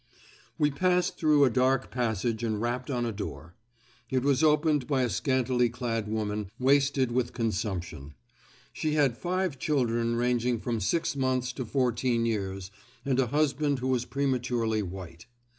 We passed through a dark passage and rapped on a door. It was opened by a scantily clad woman, wasted with consumption. She had five children ranging from six months to fourteen years and a husband who was prematurely white.